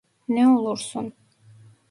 Ne olursun.